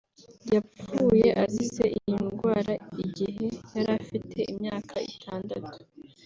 yapfuye azize iyi ndwara igihe yari afite imyaka itandatu